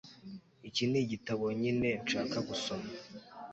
Iki nigitabo nyine nshaka gusoma